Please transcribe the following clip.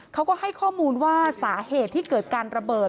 เขาก็ให้ข้อมูลว่าสาเหตุที่เกิดการระเบิด